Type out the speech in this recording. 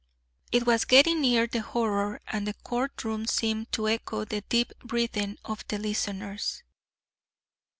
This was getting near the horror, and the court room seemed to echo the deep breathing of the listeners.